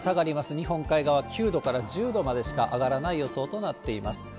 日本海側、９度から１０度までしか上がらない予想となっています。